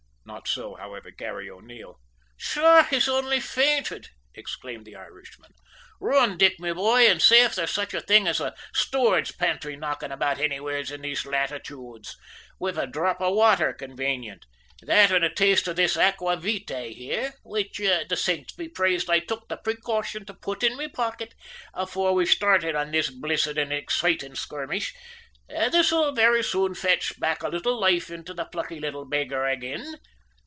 Not so, however, Garry O'Neil. "Sure, he's ounly fainted," exclaimed the Irishman; "run, Dick, me bhoy, an' say if there's sich a thing as a stooard's pantry knockin' about anywheres in those latituodes, wid a dhrop of water convanient. That an' a taste of this aqua vitae here, which, the saints be praised, I took the precawshin to put in me pocket afore we shtarted on this blissid and excoitin' skermoish, this will very soon fetch back a little loife into the plucky little beggar ag'in!"